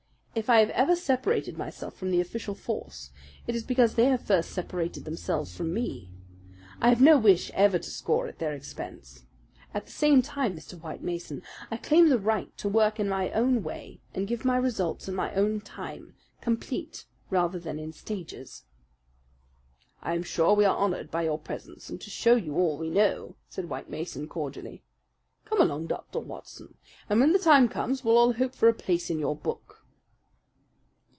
If I have ever separated myself from the official force, it is because they have first separated themselves from me. I have no wish ever to score at their expense. At the same time, Mr. White Mason, I claim the right to work in my own way and give my results at my own time complete rather than in stages." "I am sure we are honoured by your presence and to show you all we know," said White Mason cordially. "Come along, Dr. Watson, and when the time comes we'll all hope for a place in your book."